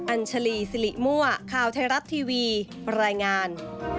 อัญชลีสิริมั่วข่าวไทยรัฐทีวีรายงาน